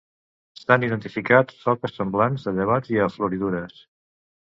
S'han identificat soques semblants a llevats i a floridures.